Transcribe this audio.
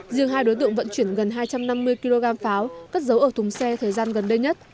riêng hai đối tượng vận chuyển gần hai trăm năm mươi kg pháo cất dấu ở thùng xe thời gian gần đây nhất